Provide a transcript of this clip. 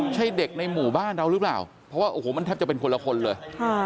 ใช่เด็กในหมู่บ้านเราหรือเปล่าเพราะว่าโอ้โหมันแทบจะเป็นคนละคนเลย